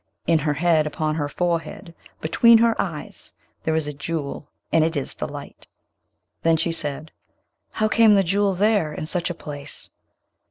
In her head, upon her forehead, between her eyes, there is a Jewel, and it is this light.' Then she said, 'How came the Jewel there, in such a place?'